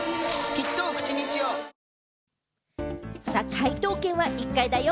解答権は１回だよ。